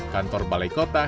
kantor balai kota